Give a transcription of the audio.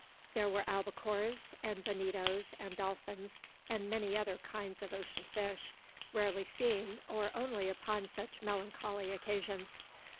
There were albacores, and bonitos, and dolphins, and many other kinds of ocean fish, rarely seen, or only upon such melancholy occasions.